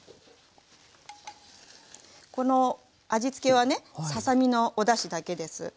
この味付けはねささ身のおだしだけです。